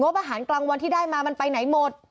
อาหารกลางวันที่ได้มามันไปไหนหมด